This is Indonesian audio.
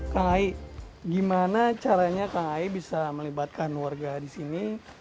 kang ai gimana caranya kang ai bisa melibatkan warga di sini